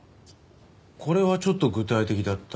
これはちょっと具体的だった。